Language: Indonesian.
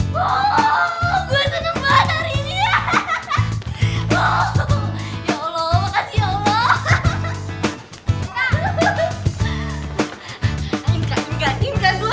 sampai jumpa di video selanjutnya